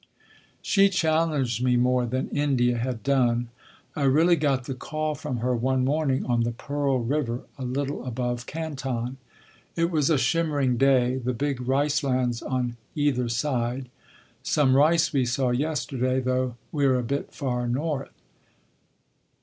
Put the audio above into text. "She challenged me more than India had done. I really got the call from her one morning on the Pearl River a little above Canton. It was a shimmering day—the big rice lands on either side. Some rice we saw yesterday, though we’re a bit far north.